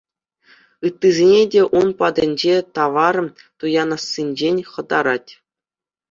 Ыттисене те ун патӗнче тавар туянассинчен хӑтарать.